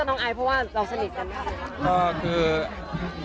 ต้องถามโทษชาไทย